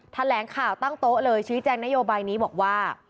แถลงข่าวตั้งโต๊ะเลยชี้แจงนโยบายนี้บอกว่า